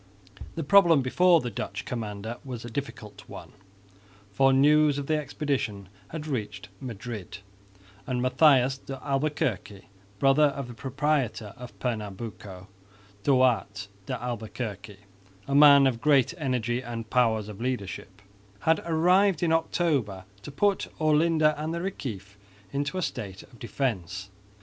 The problem before the Dutch commander was a difficult one, for news of the expedition had reached Madrid; and Matthias de Albuquerque, brother of "the proprietor" of Pernambuco, Duarte de Albuquerque, a man of great energy and powers of leadership, had arrived in October to put Olinda and the Reciff into a state of defence.